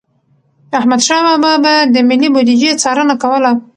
احمدشاه بابا به د ملي بوديجي څارنه کوله.